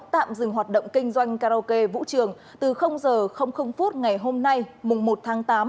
tạm dừng hoạt động kinh doanh karaoke vũ trường từ h ngày hôm nay mùng một tháng tám